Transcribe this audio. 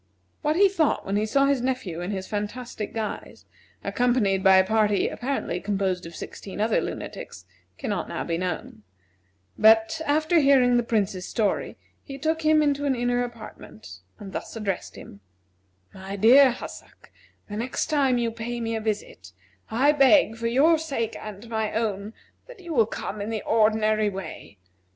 What he thought when he saw his nephew in his fantastic guise, accompanied by a party apparently composed of sixteen other lunatics, cannot now be known; but, after hearing the Prince's story, he took him into an inner apartment, and thus addressed him: "My dear Hassak: The next time you pay me a visit, I beg for your sake and my own, that you will come in the ordinary way.